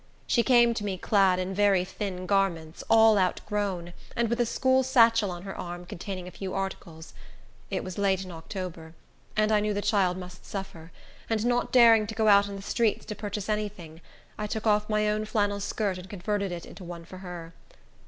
She came to me clad in very thin garments, all outgrown, and with a school satchel on her arm, containing a few articles. It was late in October, and I knew the child must suffer; and not daring to go out in the streets to purchase any thing, I took off my own flannel skirt and converted it into one for her.